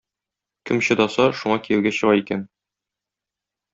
Кем чыдаса, шуңа кияүгә чыга икән.